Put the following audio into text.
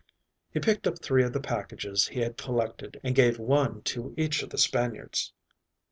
He picked up three of the packages he had collected and gave one to each of the Spaniards.